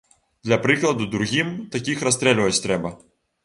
Для прыкладу другім такіх расстрэльваць трэба!